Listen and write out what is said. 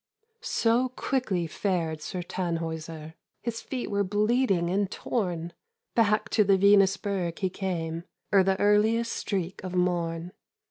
So quickly fared Sir Tannhäuser, His feet were bleeding and torn Back to the Venusberg he came, Ere the earliest streak of morn.